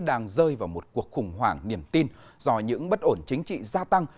đang rơi vào một cuộc khủng hoảng niềm tin do những bất ổn chính trị gia tăng